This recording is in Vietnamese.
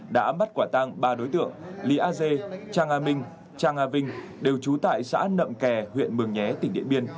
đã bắt quả tang ba đối tượng lý a dê trang a minh trang a vinh đều trú tại xã nậm kè huyện mường nhé tỉnh điện biên